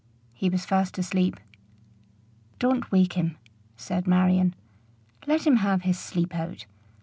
He was fast asleep. "Don't wake him," said Marion; "let him have his sleep out.